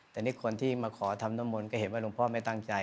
แต่นี่คนที่มาขอทำน้ำมนต์ก็เห็นว่าหลวงพ่อไม่ตั้งใจ